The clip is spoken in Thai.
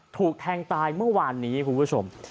ถูกแทงตายเมื่อวานนี้คุณผู้ชม